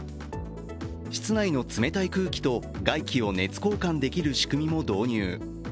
室内の冷たい空気と外気を熱交換できる仕組みも導入。